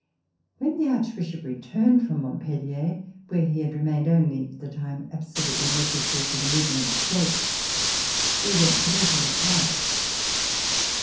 When the Archbishop returned from Montpellier, where he had remained only the time absolutely necessary for the meeting of the States, we went to meet him at Paris.